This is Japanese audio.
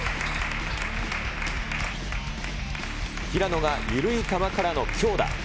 平野が緩い球からの強打。